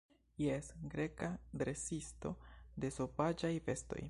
Jes, Greka dresisto de sovaĝaj bestoj.